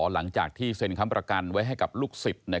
หลังจากที่เซ็นค้ำประกันไว้ให้กับลูกศิษย์